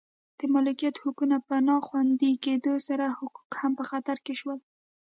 د مالکیت حقونو په نا خوندي کېدو سره حقوق هم په خطر کې شول